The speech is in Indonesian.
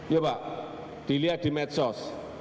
ya pak dilihat di medsos